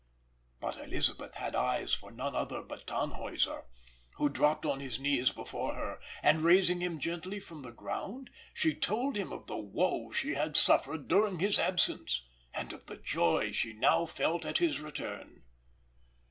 But Elisabeth had eyes for none other but Tannhäuser, who dropped on his knees before her; and raising him gently from the ground, she told him of the woe she had suffered during his absence, and of the joy she now felt at his return.